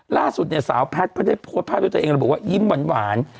ล่าสุดเนี่ยสาวแพทย์ก็ได้โพสต์ภาพด้วยตัวเองระบุว่ายิ้มหวาน